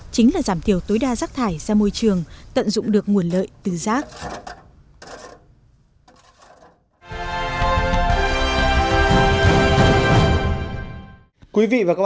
chính là giảm thiểu tối đa rác thải ra môi trường tận dụng được nguồn lợi từ rác